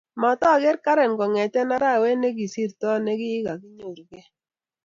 Matageer Karen kongete arawet nigosirtoi nikigakinyorugei